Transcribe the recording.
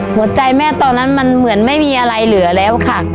หัวใจแม่ตอนนั้นมันเหมือนไม่มีอะไรเหลือแล้วค่ะ